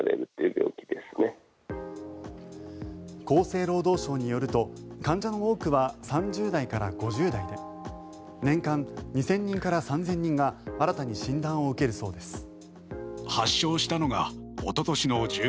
厚生労働省によると患者の多くは３０代から５０代で年間２０００人から３０００人が新たに診断を受けるそうです。